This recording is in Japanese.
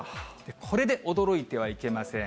これで驚いてはいけません。